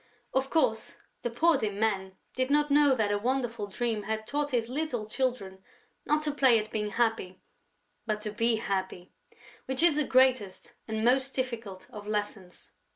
Of course, the poor dear man did not know that a wonderful dream had taught his little children not to play at being happy, but to be happy, which is the greatest and most difficult of lessons.